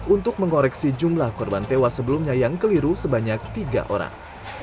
untuk mengoreksi jumlah korban tewas sebelumnya yang keliru sebanyak tiga orang